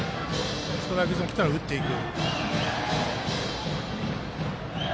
ストライクゾーンきたら打っていく。